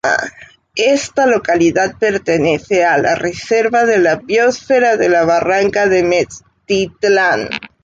Esta localidad pertenece a la Reserva de la biósfera de la Barranca de Metztitlán.